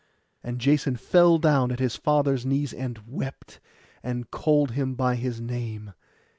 And Jason fell down at his father's knees, and wept, and called him by his name.